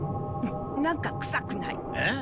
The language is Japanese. なんか臭くない？えっ？